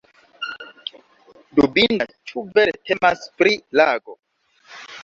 Dubindas ĉu vere temas pri lago.